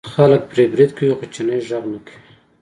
خلک پرې برید کوي خو چینی غږ نه کوي.